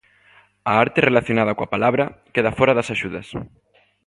A arte relacionada coa palabra queda fóra das axudas.